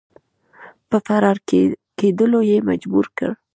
په فرار کېدلو یې مجبور کړ.